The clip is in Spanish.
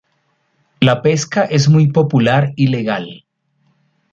La pesca es muy popular y legal.